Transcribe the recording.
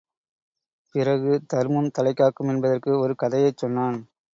பிறகு தர்மம் தலைகாக்கும் என்பதற்கு ஒரு கதையைச் சொன்னான்.